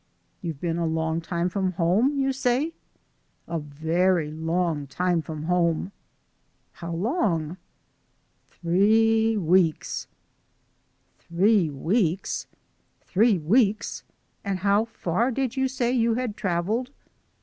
"You've been a long time from home, you say?" "A very long time from home." "How long?" "Three weeks." "Three weeks! And how far did you say you had travelled?"